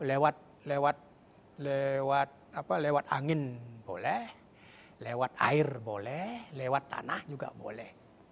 itu lewat angin boleh lewat air boleh lewat tanah juga boleh